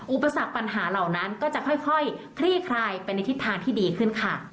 อุปสรรคปัญหาเหล่านั้นก็จะค่อยคลี่คลายไปในทิศทางที่ดีขึ้นค่ะ